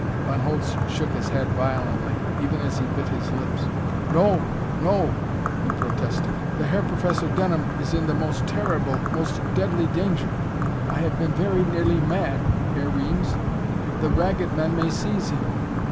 Von Holtz shook his head violently, even as he bit his lips. "No! No!" he protested. "The Herr Professor Denham is in the most terrible, most deadly danger! I I have been very nearly mad, Herr Reames. The Ragged Men may seize him!...